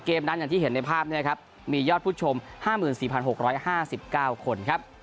เกมนั้นอย่างที่เห็นในภาพมียอดผู้ชม๕๔๖๕๙คน